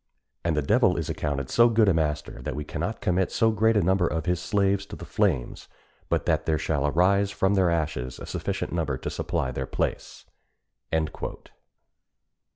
And the devil is accounted so good a master, that we cannot commit so great a number of his slaves to the flames but what there shall arise from their ashes a sufficient number to supply their place."